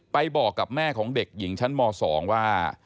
บอกกับแม่ของเด็กหญิงชั้นม๒ว่า